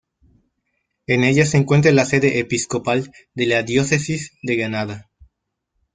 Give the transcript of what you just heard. En ella se encuentra la sede episcopal de la Diócesis de Granada.